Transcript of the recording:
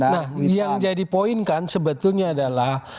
nah yang jadi poin kan sebetulnya adalah